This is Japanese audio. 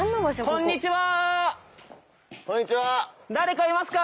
こんにちは！